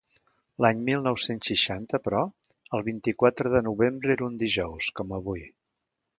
L'any mil nou-cents seixanta, però, el vint-i-quatre de novembre era un dijous, com avui.